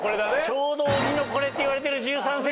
ちょうど小木のこれっていわれてる１３ｃｍ。